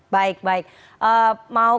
baik baik mau